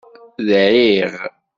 Dɛiɣ.